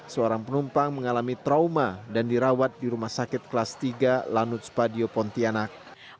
seorang penumpang mengalami trauma dan dirawat di rumah sakit kelas tiga lanut spadio pontianak